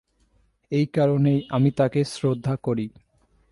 এই কারণেই আমি তাঁকে শ্রদ্ধা করি।